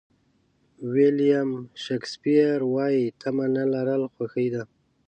ویلیام شکسپیر وایي تمه نه لرل خوښي ده.